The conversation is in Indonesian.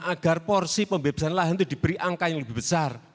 agar porsi pembebasan lahan itu diberi angka yang lebih besar